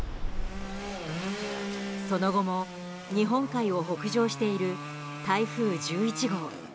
その後も日本海を北上している台風１１号。